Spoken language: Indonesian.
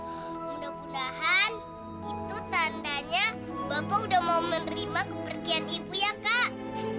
mudah mudahan itu tandanya bapak udah mau menerima kepergian ibu ya kak